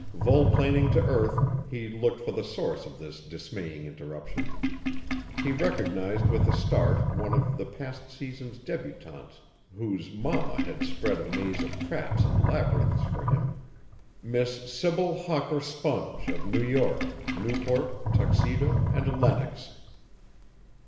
Volplaning to earth, he looked for the source of this dismaying interruption. He recognized with a start one of the past season's débutantes whose mamma had spread a maze of traps and labyrinths for him Miss Sybil Hawker Sponge of New York, Newport, Tuxedo and Lenox.